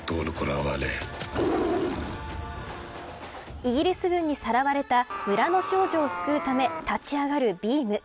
イギリス軍にさらわれた村の少女を救うため立ち上がるビーム。